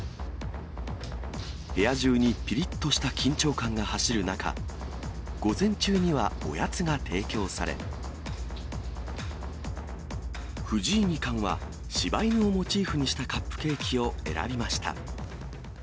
部屋中にぴりっとした緊張感が走る中、午前中にはおやつが提供され、藤井二冠は、しば犬をモチーフにしたカップケーキを選びました。